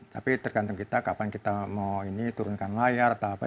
tapi tergantung kita kapan kita mau ini turunkan layar atau apa